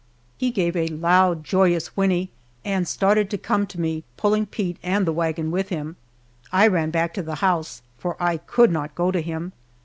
He gave a loud, joyous whinnie, and started to come to me, pulling Pete and the wagon with him. I ran back to the house, for I could not go to him!